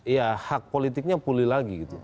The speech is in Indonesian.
ya hak politiknya pulih lagi gitu